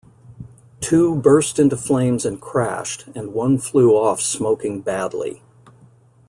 Two burst into flames and crashed, and one flew off smoking badly.